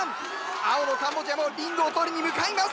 青のカンボジアもリングを取りに向かいます！